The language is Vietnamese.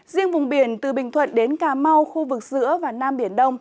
riêng vùng biển từ bình thuận đến cà mau khu vực giữa và nam biển đông